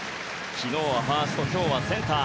昨日はファースト今日はセンター。